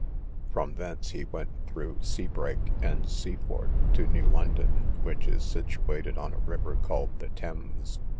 From thence he went through Seabrake and Seaford to New London, which is situated on a river called the Thames.